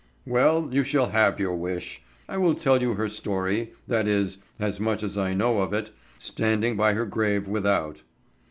"Well, you shall have your wish. I will tell you her story, that is, as much as I know of it, standing by her grave without."